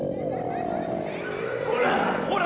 ほら。